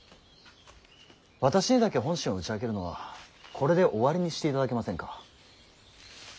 私にだけ本心を打ち明けるのはこれで終わりにしていただけませんか。